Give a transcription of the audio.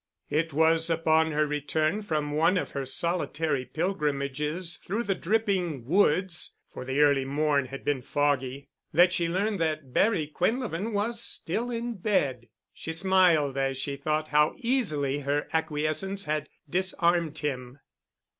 It was upon her return from one of her solitary pilgrimages through the dripping woods (for the early morn had been foggy), that she learned that Barry Quinlevin was still in bed. She smiled as she thought how easily her acquiescence had disarmed him.